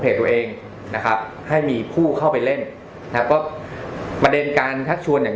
ตัวเองนะครับให้มีผู้เข้าไปเล่นนะครับก็ประเด็นการทักชวนอย่าง